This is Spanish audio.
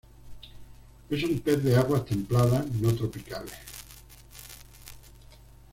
Es un pez de aguas templadas, no tropicales.